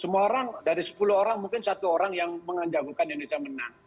semua orang dari sepuluh orang mungkin satu orang yang mengganggukan indonesia menang